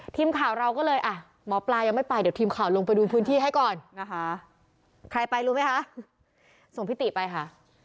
ทีมข่าวเราก็เลยอ่ะหมอปลายังไม่ไปเดี๋ยวทีมข่าวลงไปดูพื้นที่ให้ก่อนนะคะใครไปรู้ไหมคะส่งพิติไปค่ะ